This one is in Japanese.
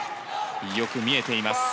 よく見えています。